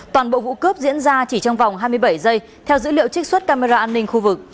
toàn bộ vụ cướp diễn ra chỉ trong vòng hai mươi bảy giây theo dữ liệu trích xuất camera an ninh khu vực